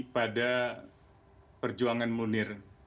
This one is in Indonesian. pada perjuangan munir